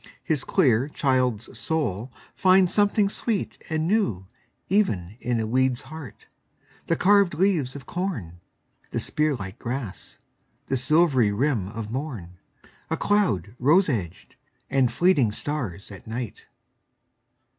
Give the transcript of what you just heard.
His clear child's soul finds something sweet and newEven in a weed's heart, the carved leaves of corn, The spear like grass, the silvery rim of morn,A cloud rose edged, and fleeting stars at night!